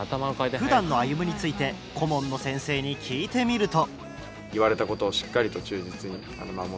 普段のＡＹＵＭＵについて顧問の先生に聞いてみると。